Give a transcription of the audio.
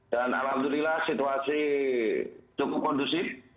dan alhamdulillah situasi cukup kondusif